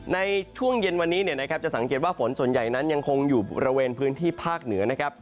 ในช่วงเย็นวันนี้เนี่ยนะครับจะสังเกตว่าฝนส่วนใหญ่นั้นยังคงอยู่บริเวณพื้นที่ภาคเหนือนะครับ